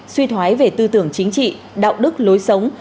suy thoái về tư tưởng chính trị đạo đức lối sống